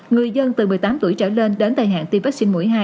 người dân từ một mươi tám tuổi trở lên đến thời hạn tiêm vaccine mũi hai